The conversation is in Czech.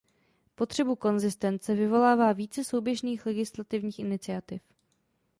Potřebu konzistence vyvolává více souběžných legislativních iniciativ.